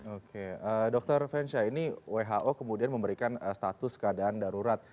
oke dr fensha ini who kemudian memberikan status keadaan darurat